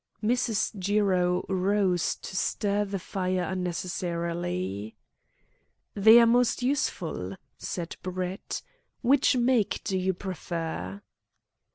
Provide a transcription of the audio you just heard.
Mrs. Jiro rose to stir the fire unnecessarily. "They are most useful," said Brett. "Which make do you prefer?"